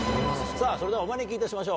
それではお招きいたしましょう。